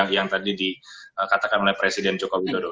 yang tadi dikatakan oleh presiden joko widodo